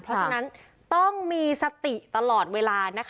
เพราะฉะนั้นต้องมีสติตลอดเวลานะคะ